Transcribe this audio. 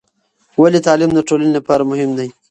ولې تعلیم د ټولنې لپاره مهم دی؟